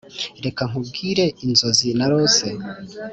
reka nkubwire inzozi narose.